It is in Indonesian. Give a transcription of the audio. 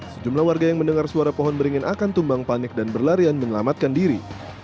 sejumlah warga yang mendengar suara pohon beringin akan tumbang panik dan berlarian menyelamatkan diri